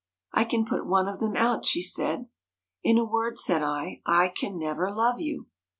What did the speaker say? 1 " I can put one of them out," she said. '" In a word," said I, " I can never love you."